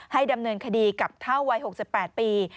ดำเนินคดีกับเท่าวัย๖๘ปี